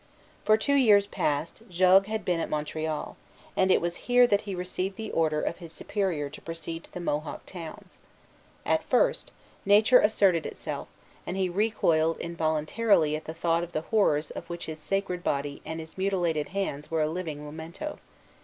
For two years past, Jogues had been at Montreal; and it was here that he received the order of his Superior to proceed to the Mohawk towns. At first, nature asserted itself, and he recoiled involuntarily at the thought of the horrors of which his scarred body and his mutilated hands were a living memento.